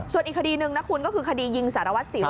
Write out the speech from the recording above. ส่วนอีกคดีนึงคือคดียิงสระวัสฯิว